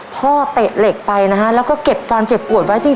เตะเหล็กไปนะฮะแล้วก็เก็บความเจ็บปวดไว้จริง